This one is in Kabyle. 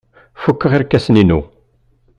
Fukeɣ irkasen-inu.